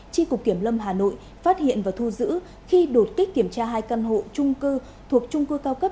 tri cục kiểm lâm hà nội phát hiện và thu giữ khi đột kích kiểm tra hai căn hộ trung cư thuộc trung cư cao cấp